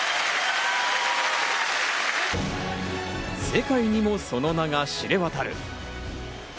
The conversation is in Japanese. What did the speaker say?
世界にもその名が知れ渡る。